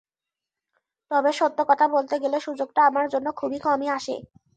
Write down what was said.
তবে সত্য কথা বলতে গেলে সুযোগটা আমার জন্য খুব কমই আসে।